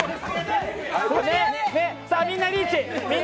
みんなリーチ。